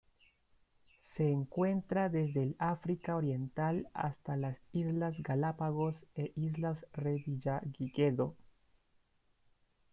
Se encuentra desde el África Oriental hasta las Islas Galápagos e Islas Revillagigedo.